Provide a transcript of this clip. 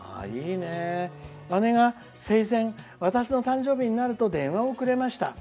姉が生前、私の誕生日になると電話をくれました。